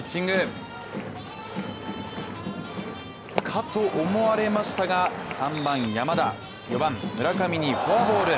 かと思われましたが３番・山田、４番・村上にフォアボール。